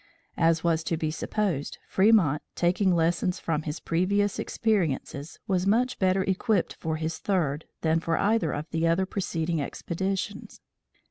As was to be supposed, Fremont taking lessons from his previous experiences, was much better equipped for his third than for either of the other preceding expeditions.